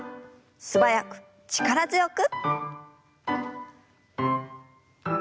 素早く力強く。